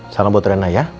salam buat rina ya